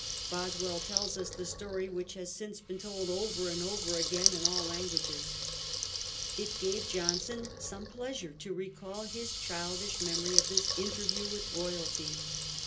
Boswell tells us the story, which has since been told over and over again in all languages. It gave Johnson some pleasure to recall his childish memory of this interview with royalty.